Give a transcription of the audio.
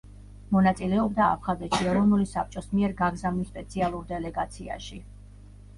მონაწილეობდა აფხაზეთში ეროვნული საბჭოს მიერ გაგზავნილ სპეციალურ დელეგაციაში.